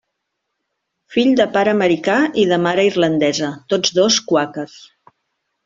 Fill de pare americà i de mare irlandesa, tots dos quàquers.